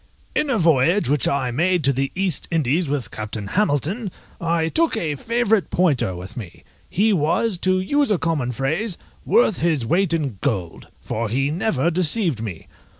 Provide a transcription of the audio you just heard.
_ In a voyage which I made to the East Indies with Captain Hamilton, I took a favourite pointer with me; he was, to use a common phrase, worth his weight in gold, for he never deceived me.